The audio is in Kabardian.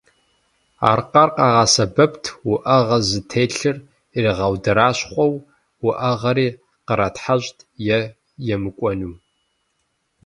Аркъэр къагъэсэбэпт уӏэгъэ зытелъыр ирагъэудэращхъуэу, уӏэгъэри къратхьэщӏт е емыкӏуэну.